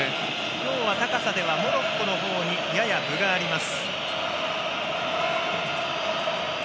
今日は高さではモロッコの方にやや分があります。